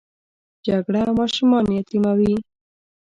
جګړه ماشومان یتیموي